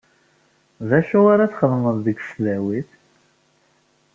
D acu ara txedmeḍ deg tesdawit?